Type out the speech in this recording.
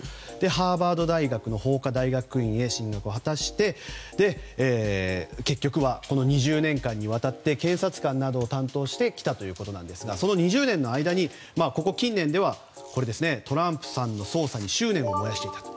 ハーバード大学の法科大学院へ進学を果たして結局はこの２０年間にわたって検察官などを担当してきたということなんですがその２０年の間に、ここ近年ではトランプさんの捜査に執念を燃やしていたと。